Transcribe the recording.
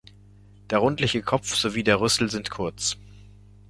Der rundliche Kopf sowie der Rüssel sind kurz.